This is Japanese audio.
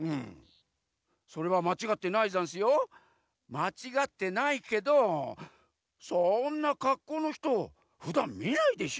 まちがってないけどそんなかっこうのひとふだんみないでしょ？